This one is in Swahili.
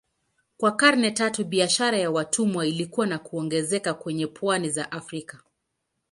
Kwa karne tatu biashara ya watumwa ilikua na kuongezeka kwenye pwani za Afrika.